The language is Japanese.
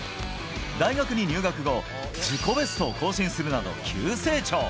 大学に入学後、自己ベストを更新するなど、急成長。